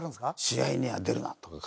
「試合には出るな」とか。